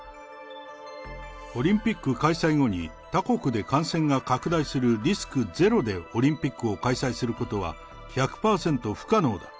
オリンピック開催後に、他国で感染が拡大するリスクゼロで、オリンピックを開催することは、１００％不可能だ。